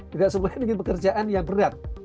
juga semuanya ingin pekerjaan yang berat